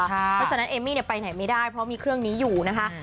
เพราะฉะนั้นเอมมี่ไปไหนไม่ได้เพราะมีเครื่องนี้อยู่นะคะ